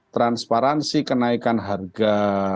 transparansi kenaikan harga